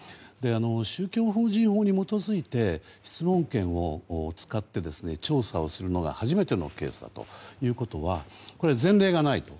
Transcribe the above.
宗教法人法に基づいて質問権を使って調査をするのが初めてのケースだということはこれは前例がないと。